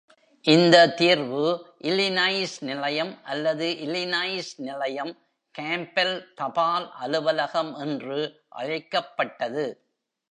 இந்த தீர்வு, இல்லினாய்ஸ் நிலையம் அல்லது இல்லினாய்ஸ் நிலையம், காம்ப்பெல் தபால் அலுவலகம் என்றும் அழைக்கப்பட்டது.